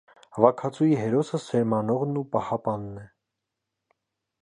Հավաքածուի հերոսը «սերմանողն ու պահապանն» է։